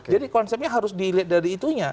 jadi konsepnya harus dilihat dari itunya